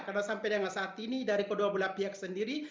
karena sampai dengan saat ini dari kedua belah pihak sendiri